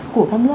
của các nước ạ